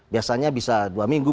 biasanya bisa dua minggu